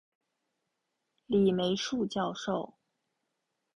李梅树教授